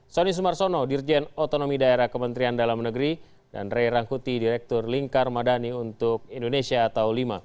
sonny sumarsono dirjen otonomi daerah kementerian dalam negeri dan ray rangkuti direktur lingkar madani untuk indonesia tahun v